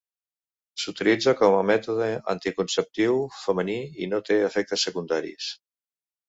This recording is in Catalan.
S'utilitza com a mètode anticonceptiu femení i no té efectes secundaris.